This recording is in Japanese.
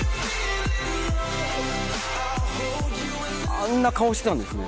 あんな顔してたんですね。